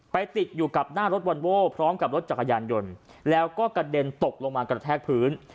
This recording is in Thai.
ติดอยู่กับหน้ารถวอนโว้พร้อมกับรถจักรยานยนต์แล้วก็กระเด็นตกลงมากระแทกพื้น